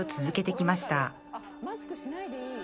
あっマスクしないでいい？